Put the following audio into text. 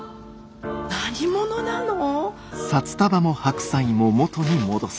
何者なの？